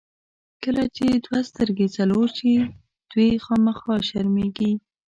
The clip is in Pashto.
کله چې دوه سترګې څلور شي، دوې خامخا شرمېږي.